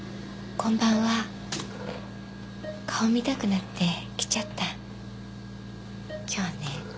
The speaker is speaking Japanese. こんばんは顔を見たくなって来ちゃった今日ね